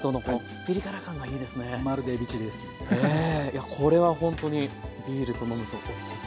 いやこれはほんとにビールと飲むとおいしい。